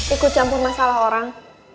ikut campur masalah orang